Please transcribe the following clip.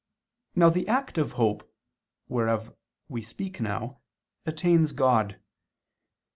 Now the act of hope, whereof we speak now, attains God.